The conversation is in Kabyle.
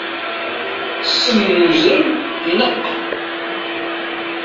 Ssem n uzrem ineqq.